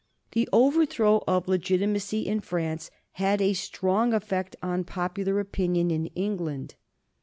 The overthrow of legitimacy in France had a strong effect on popular opinion in England.